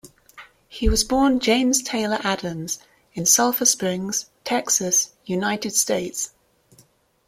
He was born James Taylor Adams in Sulphur Springs, Texas, United States.